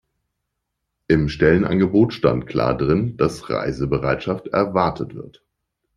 Im Stellenangebot stand klar drin, dass Reisebereitschaft erwartet wird.